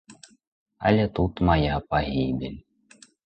Але тут мая пагібель.